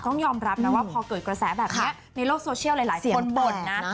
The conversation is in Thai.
ต้องยอมรับนะว่าพอเกิดกระแสแบบนี้ในโลกโซเชียลหลายคนบ่นนะ